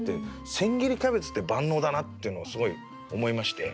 千切りキャベツって万能だなっていうのをすごい思いまして。